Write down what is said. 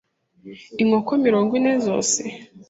inkoko mirongo ine zose